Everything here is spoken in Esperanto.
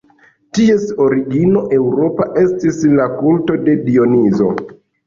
Ties origino eŭropa estis la kulto de Dionizo.